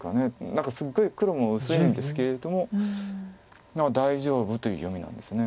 何かすごい黒も薄いんですけれども大丈夫という読みなんですね。